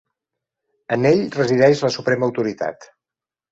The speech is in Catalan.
En ell resideix la suprema autoritat.